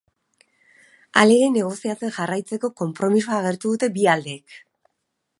Halere, negoziatzen jarraitzeko konpromisoa agertu dute bi aldeek.